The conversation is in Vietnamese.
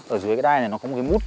ở dưới cái đai này nó có một cái mút